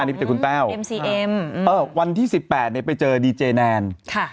อันนี้ไปเจอคุณแป้วเอ่อวันที่สิบแปดเนี้ยไปเจอดิเจนแนนค่ะ